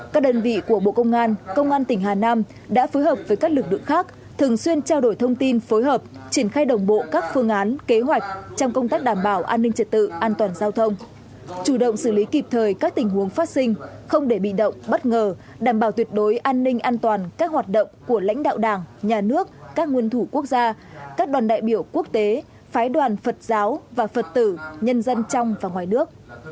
các đơn vị của bộ công an công an tỉnh hà nam đã phối hợp với các lực lượng khác thường xuyên trao đổi thông tin phối hợp triển khai đồng bộ các phương án kế hoạch trong công tác đảm bảo an ninh trật tự an toàn giao thông chủ động xử lý kịp thời các tình huống phát sinh không để bị động bất ngờ đảm bảo tuyệt đối an ninh an toàn các hoạt động của lãnh đạo đảng nhà nước các nguyên thủ quốc gia các đoàn đại biểu quốc tế phái đoàn phật giáo và phật tử nhân dân trong và ngoài nước